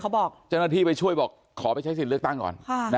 เขาบอกจนที่ไปช่วยบอกขอไปใช้สิทธิ์เลือกตั้งก่อนค่ะ